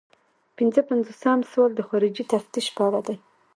پنځه پنځوسم سوال د خارجي تفتیش په اړه دی.